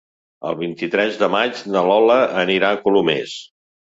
El vint-i-tres de maig na Lola anirà a Colomers.